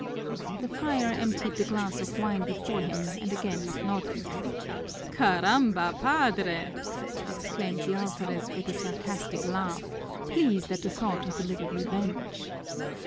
The friar emptied the glass of wine before him and again nodded. "Caramba, Padre!" exclaimed the alferez with a sarcastic laugh, pleased at the thought of a little revenge.